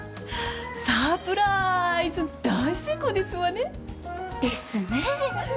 サプライズ大成功ですわね！ですね。